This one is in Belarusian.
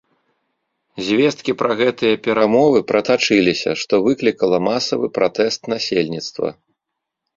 Звесткі пра гэтыя перамовы пратачыліся, што выклікала масавы пратэст насельніцтва.